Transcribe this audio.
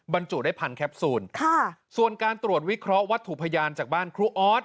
บรรจุได้พันแคปซูลค่ะส่วนการตรวจวิเคราะห์วัตถุพยานจากบ้านครูออส